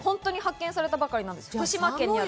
最近発見されたばかりなんです。